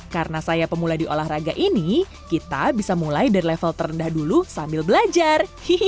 karena saya pemula di olahraga ini kita bisa mulai dari level terendah dulu sambil belajar